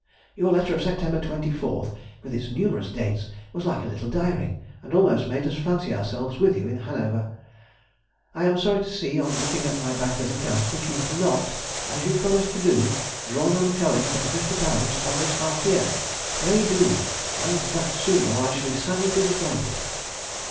Your letter of September 24th, with its numerous dates, was like a little diary, and almost made us fancy ourselves with you in Hanover.... I am sorry to see, on looking at my banker's account, that you have not (as you promised to do) drawn on Cohen for the £50 of this half year. Pray do, and that soon, or I shall be sadly disappointed.